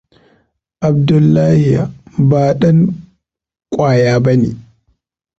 Abdullahia ba dan ƙwaya bane.